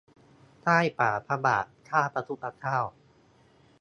ใต้ฝ่าพระบาท ข้าพระพุทธเจ้า